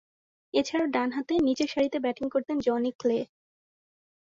এছাড়াও, ডানহাতে নিচেরসারিতে ব্যাটিং করতেন জনি ক্লে।